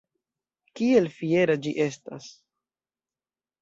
Kiel fiera ĝi estas!